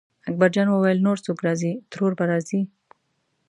اکبرجان وویل نور څوک راځي ترور به راځي.